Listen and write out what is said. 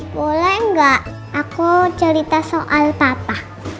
boleh enggak aku cerita soal papa